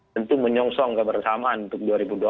tentu menyongsong kebersamaan untuk dua ribu dua puluh empat